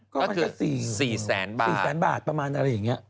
ก็คือ๔แสนบาทประมาณอะไรอย่างนี้